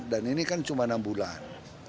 dan ini kan cuma enam bulan